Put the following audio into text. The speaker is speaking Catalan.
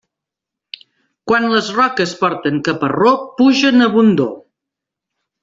Quan les roques porten caparró, pluja en abundor.